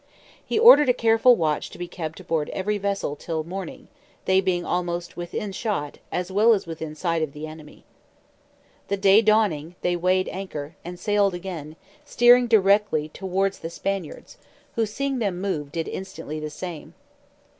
He ordered a careful watch to be kept aboard every vessel till morning, they being almost within shot, as well as within sight of the enemy. The day dawning, they weighed anchor, and sailed again, steering directly towards the Spaniards; who seeing them move, did instantly the same.